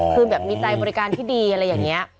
คือแบบมีใจบริการที่ดีอะไรอย่างนี้